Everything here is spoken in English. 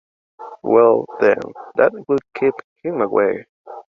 Well! Then, that will keep him away.